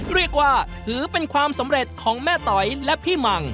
เรียกว่าถือเป็นความสำเร็จของแม่ต๋อยและพี่มัง